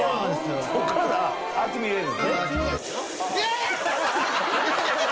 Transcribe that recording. こっからあっち見える。